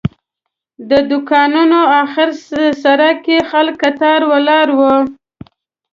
د دوکانونو آخر سر کې خلک کتار ولاړ وو.